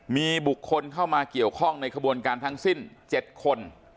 มีบุคคลเข้ามาเกี่ยวข้องในขบวนการทั้งสิ้น๗คน